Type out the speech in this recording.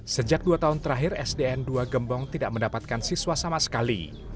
sejak dua tahun terakhir sdn dua gembong tidak mendapatkan siswa sama sekali